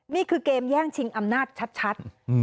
นี่คือเกมแย่งชิงอำนาจชัด